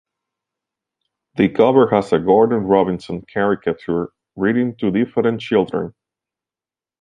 The cover has a Gordon Robinson caricature reading to different children.